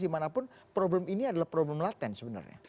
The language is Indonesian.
dimana pun problem ini adalah problem latens sebenarnya